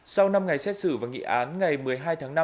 sau năm ngày xét xử và nghị án ngày một mươi hai tháng năm